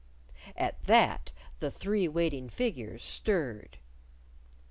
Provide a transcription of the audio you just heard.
At that the three waiting figures stirred.